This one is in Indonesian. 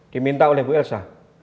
diminta oleh bu elsa